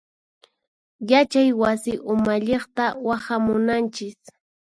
Yachay wasi umalliqta waqhamunanchis.